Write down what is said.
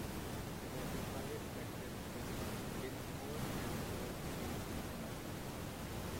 He was in private practice with Dinsmore and Shohl in Cincinnati.